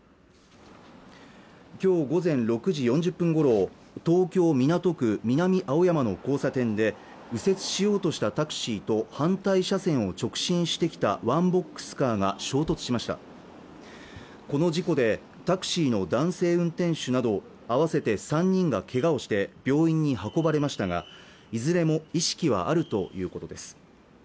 今日午前６時４０分ごろ東京港区南青山の交差点で右折しようとしたタクシーと反対車線を直進してきたワンボックスカーが衝突しましたこの事故でタクシーの男性運転手など合わせて３人がけがをして病院に運ばれましたがいずれも意識はあるということです